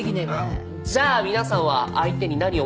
じゃあ皆さんは相手に何を求めるんですか？